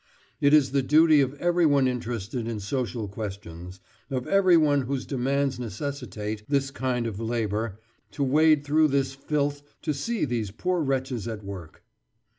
It is the duty of everyone interested in social questions, of everyone whose demands necessitate this kind of labour, to wade through this filth to see these poor wretches at work."